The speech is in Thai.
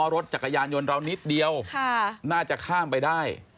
รถยนต์เดียวน่าจะข้ามไปได้